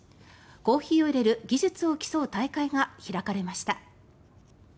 コーヒーを入れる技術を競う大会が開かれました。